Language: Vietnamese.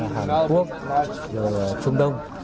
hàn quốc trung đông